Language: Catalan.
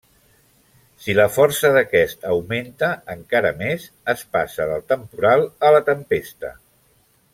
Si la força d’aquest augmenta encara més, es passa del temporal a la tempesta.